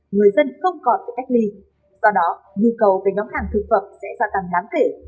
người dân không còn phải cách ly do đó nhu cầu về nhóm hàng thực phẩm sẽ gia tăng đáng kể